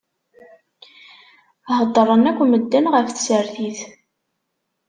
Heddṛen akk medden ɣef tsertit.